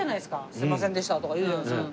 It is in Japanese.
すいませんでしたとか言うじゃないですか。